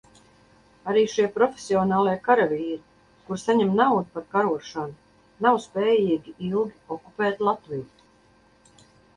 Arī šie profesionālie karavīri, kuri saņem naudu par karošanu, nav spējīgi ilgi okupēt Latviju.